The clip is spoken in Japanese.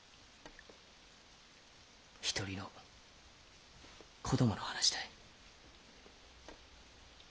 一人の子供の話たい。